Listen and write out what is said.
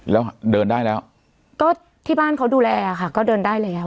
แล้วเดินได้แล้วก็ที่บ้านเขาดูแลอะค่ะก็เดินได้แล้ว